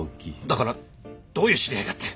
だからどういう知り合いかって。